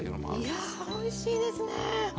いやおいしいですね。